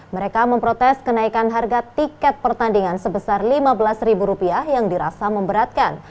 mereka memprotes kenaikan harga tiket pertandingan sebesar lima belas ribu rupiah yang dirasa memberatkan